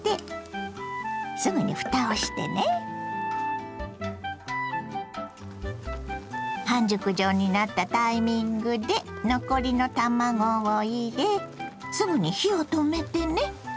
まず半熟状になったタイミングで残りの卵を入れすぐに火を止めてね。